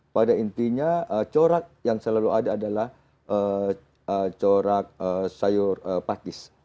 pada intinya corak yang selalu ada adalah corak sayur pakis